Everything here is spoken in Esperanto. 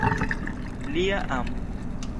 Lia amo.